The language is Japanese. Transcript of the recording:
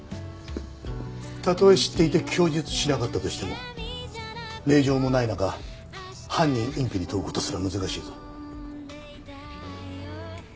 たとえ知っていて供述しなかったとしても令状もない中犯人隠避に問う事すら難しいぞ。